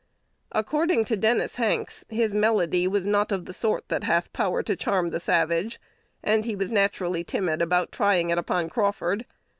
According to Dennis Hanks, his melody was not of the sort that hath power to charm the savage; and he was naturally timid about trying it upon Crawford.